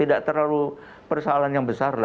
tidak terlalu persoalan yang besar